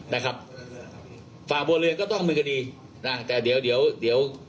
นะครับฝ่าบัวเรียนก็ต้องมีคดีนะแต่เดี๋ยวเดี๋ยว